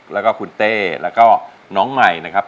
แล้วก็คุณเต้แล้วก็น้องใหม่นะครับ